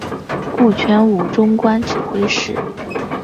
顾全武终官指挥使。